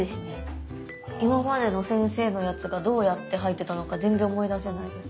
今までの先生のやつがどうやって入ってたのか全然思い出せないです。